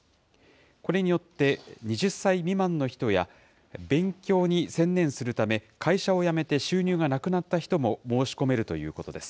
これによって、２０歳未満の人や、勉強に専念するため会社を辞めて収入がなくなった人も申し込めるということです。